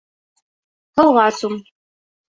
— Һыуға сум!